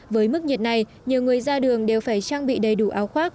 với mức nhiệt này nhiều người ra đường đều phải trang bị đầy đủ áo khoác